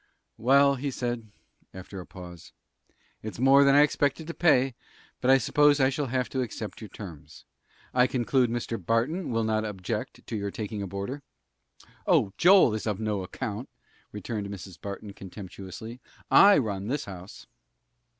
"Well," he said, after a pause, "it's more than I expected to pay, but I suppose I shall have to accept your terms. I conclude Mr. Barton will not object to your taking a boarder?" "Oh, Joel is of no account," returned Mrs. Barton, contemptuously. "I run this house!"